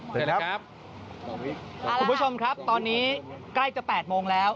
เจอแล้วครับคุณผู้ชมครับตอนนี้ใกล้จะแปดโมงแล้ว